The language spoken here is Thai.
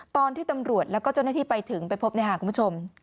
ตอนที่ตำรวจแล้วก็เจ้าหน้าที่ไปถึงไปพบเนี่ยค่ะคุณผู้ชม